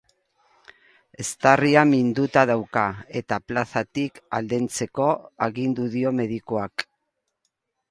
Eztarria minduta dauka eta plazatik aldentzeko agindu dio medikuak.